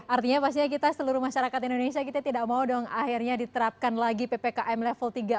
artinya kita seluruh masyarakat indonesia tidak mau akhirnya diterapkan lagi ppkm level tiga empat